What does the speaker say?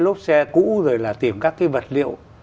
lốp xe cũ rồi là tìm các cái vật liệu